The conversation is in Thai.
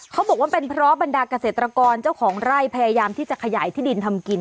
เขาบอกว่าเป็นเพราะบรรดาเกษตรกรเจ้าของไร่พยายามที่จะขยายที่ดินทำกิน